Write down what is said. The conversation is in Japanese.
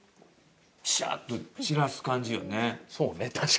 シャッと散らす感じよね。